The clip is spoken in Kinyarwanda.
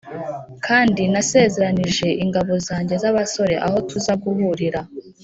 Kandi nasezeranije ingabo zanjye z’abasore aho tuza guhurira.